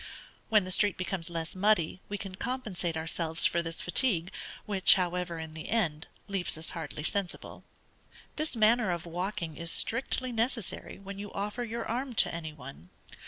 When the street becomes less muddy, we can compensate ourselves for this fatigue, which, however, in the end, leaves us hardly sensible. This manner of walking is strictly necessary when you offer your arm to any one.